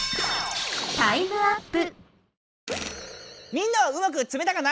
みんなはうまく積めたかな？